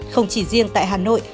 không chỉ riêng tại hà nội